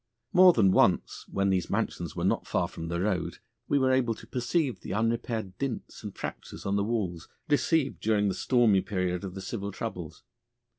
More than once, when these mansions were not far from the road, we were able to perceive the unrepaired dints and fractures on the walls received during the stormy period of the civil troubles.